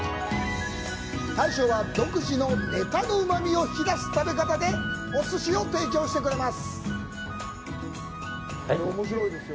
大将は独自のネタのうまみを引き出す食べ方でおすしを提供してくれます。